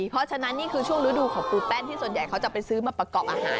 เพราะฉะนั้นนี่คือช่วงฤดูของปูแป้นที่ส่วนใหญ่เขาจะไปซื้อมาประกอบอาหาร